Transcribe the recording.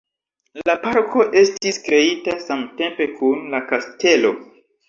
La parko estis kreita samtempe kun la kastelo.